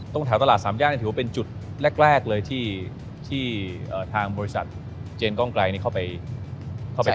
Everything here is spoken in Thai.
ตรงแถวตลาดสามย่างถือว่าเป็นจุดแรกเลยที่ทางบริษัทเจนกล้องไกลเข้าไป